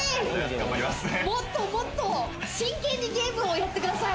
もっともっと真剣にゲームをやってください！